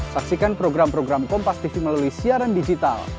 saksikan program program kompastv melalui siaran digital